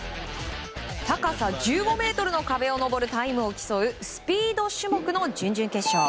高さ１５ｍの壁を登るタイムを競うスピード種目の準々決勝。